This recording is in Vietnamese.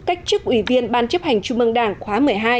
cách chức ủy viên ban chấp hành trung mương đảng khóa một mươi hai